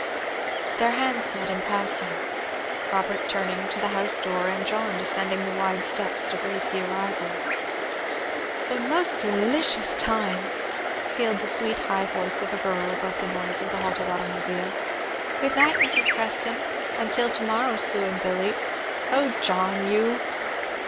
Their hands met in passing, Robert turning to the house door and John descending the wide steps to greet the arrival. "The most delicious time," pealed the sweet, high voice of a girl above the noise of the halted automobile. "Good night, Mrs. Preston. Until to morrow, Sue and Billy. Oh, John, you!"